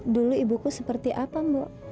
dulu ibuku seperti apa mbak